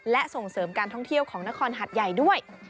และส่งเสริมการท่องเที่ยวของนครหัดใหญ่ด้วย